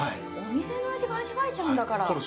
お店の味が味わえちゃうんだから。